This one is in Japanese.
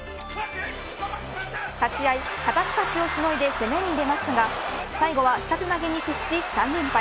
立ち会い、肩すかしをしのいで攻めに出ますが最後は下手投げに屈し３連敗。